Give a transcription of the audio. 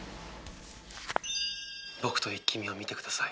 僕と「イッキ見！」を見てください。